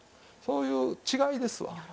そういう違いですわ。